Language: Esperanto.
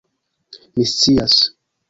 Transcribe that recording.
"Mi scias."